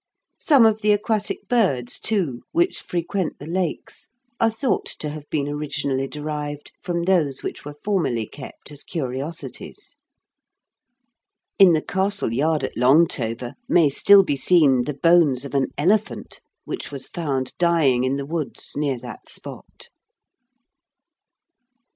Some of the aquatic birds, too, which frequent the lakes, are thought to have been originally derived from those which were formerly kept as curiosities. In the castle yard at Longtover may still be seen the bones of an elephant which was found dying in the woods near that spot.